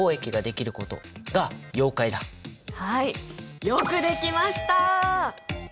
はいよくできました！